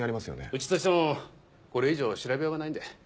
うちとしてもこれ以上調べようがないんで。